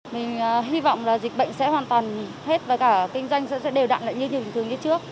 mình hy vọng là dịch bệnh sẽ hoàn toàn hết và cả kinh doanh sẽ đều đặn lại như nhỉnh thường như trước